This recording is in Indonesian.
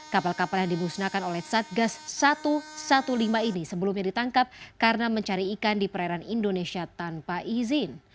kapal kapal yang dimusnahkan oleh satgas satu ratus lima belas ini sebelumnya ditangkap karena mencari ikan di perairan indonesia tanpa izin